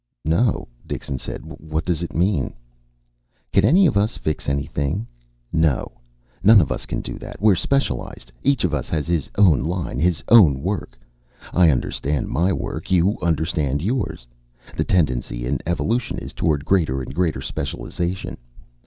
"No," Dixon said. "What does it mean?" "Can any of us fix anything? No. None of us can do that. We're specialized. Each of us has his own line, his own work. I understand my work, you understand yours. The tendency in evolution is toward greater and greater specialization.